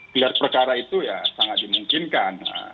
gelar perkara itu ya sangat dimungkinkan